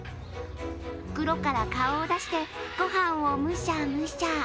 袋から顔を出してご飯をむしゃむしゃ。